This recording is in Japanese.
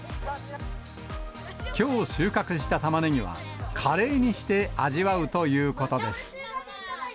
きょう収穫したタマネギは、カレーにして味わうということです。